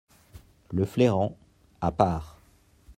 Le flairant, à part.